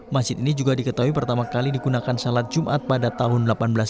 masjid ini juga diketahui pertama kali digunakan salat jumat pada tahun seribu delapan ratus enam puluh